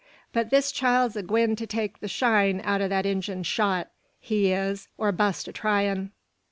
but this child's a gwine to take the shine out o' that Injun's shot he is, or bust a tryin'."